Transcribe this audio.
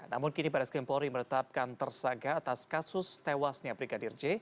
namun kini baris krimpori menetapkan tersangka atas kasus tewasnya brigadir j